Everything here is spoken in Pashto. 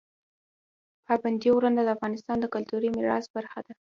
پابندی غرونه د افغانستان د کلتوري میراث برخه ده.